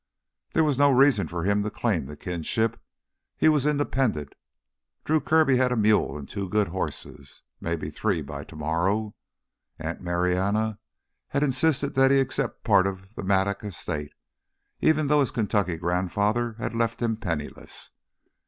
There was no reason for him to claim the kinship. He was independent. Drew Kirby had a mule and two good horses, maybe three by tomorrow. Aunt Marianna had insisted that he accept part of the Mattock estate, even though his Kentucky grandfather had left him penniless.